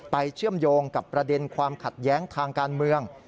เชื่อมโยงกับประเด็นความขัดแย้งทางการเมือง